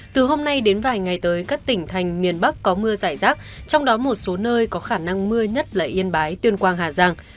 từ hôm nay đến vài ngày tới các tỉnh thành miền bắc có mưa giải rác trong đó một số nơi có khả năng mưa nhất là yên bái tuyên quang hà giang